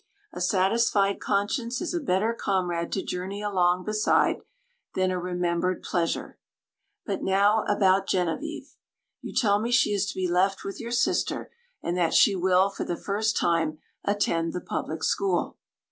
A satisfied conscience is a better comrade to journey along beside, than a remembered pleasure. But now about Genevieve. You tell me she is to be left with your sister, and that she will, for the first time, attend the public school.